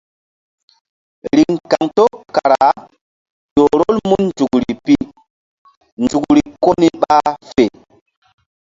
Riŋ kaŋto kara ƴo rol mun nzukri pi nzukri ko ni ɓa fe.